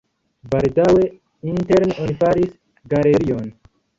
Baldaŭe interne oni faris galerion.